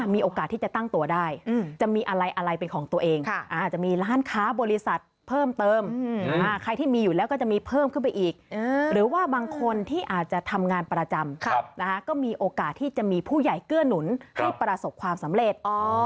มีโอกาสที่จะมีผู้ใหญ่เกื้อนหนุนให้ประสบความสำเร็จ